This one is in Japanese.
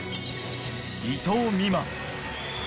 伊藤美誠。